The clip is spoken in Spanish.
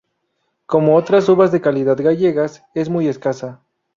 Como otras uvas de calidad gallegas, es muy escasa.